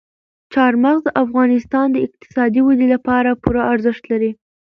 چار مغز د افغانستان د اقتصادي ودې لپاره پوره ارزښت لري.